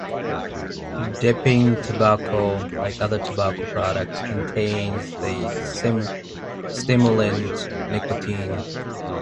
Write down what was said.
Dipping tobacco, like other tobacco products, contains the stimulant nicotine.